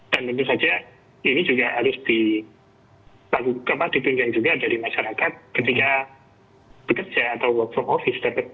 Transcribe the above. tentu saja ini juga harus ditunjang juga dari masyarakat ketika bekerja atau work from office